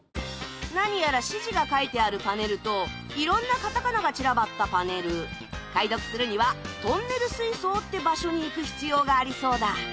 何やら指示が書いてあるパネルといろんなカタカナが散らばったパネル解読するにはトンネル水槽って場所に行く必要がありそうだ